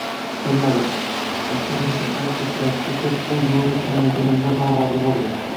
Bilmadim? Otam esa ancha paytgacha bu yo’lni tanlaganimdan norozi bo’lgan.